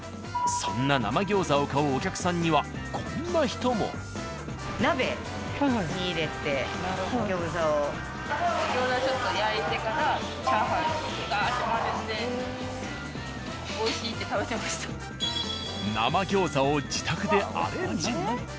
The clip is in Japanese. そんな生餃子を買うお客さんには餃子をちょっと生餃子を自宅でアレンジ。